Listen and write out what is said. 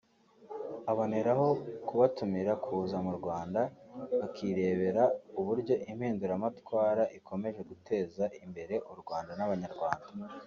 aboneraho kubatumira kuza mu Rwanda bakirebera uburyo impinduramatwara ikomeje guteza imbere u Rwanda n’Abanyarwanda